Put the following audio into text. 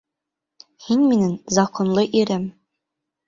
Һин минең законлы ирем.